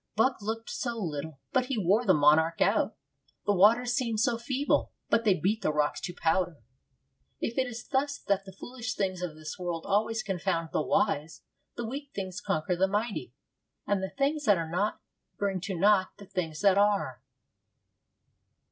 Buck looked so little, but he wore the monarch out. The waters seem so feeble, but they beat the rocks to powder. It is thus that the foolish things of this world always confound the wise; the weak things conquer the mighty; and the things that are not bring to naught the things that are.